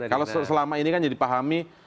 kalau selama ini kan jadi pahami